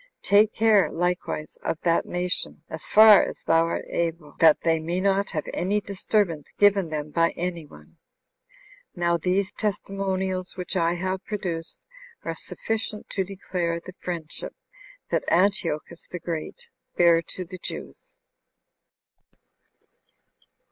Take care likewise of that nation, as far as thou art able, that they may not have any disturbance given them by any one." Now these testimonials which I have produced are sufficient to declare the friendship that Antiochus the Great bare to the Jews.